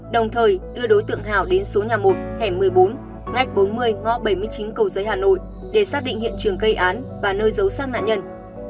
đồng thời đưa đối tượng hào đến số nhà một hẻm một mươi bốn ngách bốn mươi ngõ bảy mươi chín cầu giấy hà nội để xác định hiện trường gây án và nơi giấu sát nạn nhân